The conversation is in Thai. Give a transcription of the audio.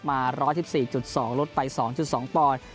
มาร้อยสิบสี่จุดสองลดไปสองจุดสองปอน